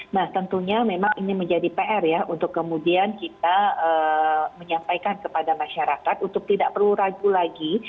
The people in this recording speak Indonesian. nah tentunya memang ini menjadi pr ya untuk kemudian kita menyampaikan kepada masyarakat untuk tidak perlu ragu lagi